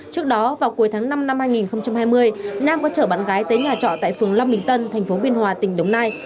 trước đó vào cuối tháng năm năm hai nghìn hai mươi nam có chở bạn gái tới nhà trọ tại phường long bình tân tp biên hòa tỉnh đồng nai